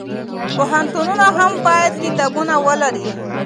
پوهنتونونه هم باید کتابتونونه ولري.